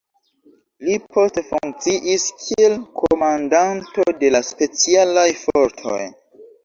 Li poste funkciis kiel komandanto de la specialaj fortoj.